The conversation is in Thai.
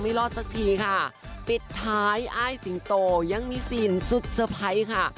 รอดสักทีค่ะปิดท้ายอ้ายสิงโตยังมีซีนสุดเตอร์ไพรส์ค่ะ